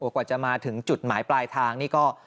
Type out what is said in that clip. กว่าจะมาถึงจุดหมายปลายทางนี่ก็